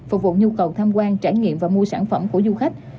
phục vụ nhu cầu tham quan trải nghiệm và mua sản phẩm của du khách